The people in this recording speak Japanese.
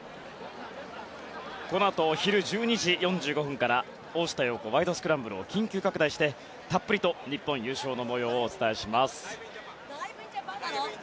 このあと昼１２時４５分から「大下容子ワイド！スクランブル」を緊急拡大してたっぷりと日本優勝の模様をお伝えします。